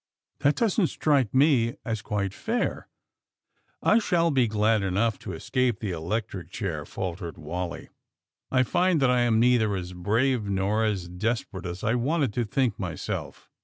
That doesn't strike me as quite fair." ^'I shall be glad enough to escape the electric chair," faltered Wally. I find that I am neither as brave nor as desperate as I wanted to think myself."